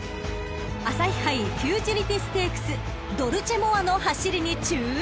［朝日杯フューチュリティステークスドルチェモアの走りに注目］